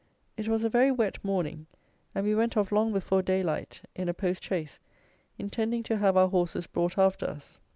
It was a very wet morning, and we went off long before daylight in a post chaise, intending to have our horses brought after us.